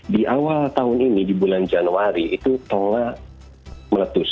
di awal tahun ini di bulan januari itu tonga meletus